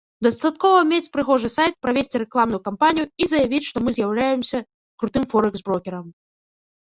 Дастаткова мець прыгожы сайт, правесці рэкламную кампанію і заявіць, што мы з'яўляемся крутым форэкс-брокерам.